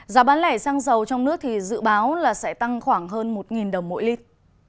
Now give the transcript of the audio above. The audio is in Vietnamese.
giá bán lẻ xăng dầu trong nước thì dự báo là sẽ tăng khoảng hơn một đồng mỗi lít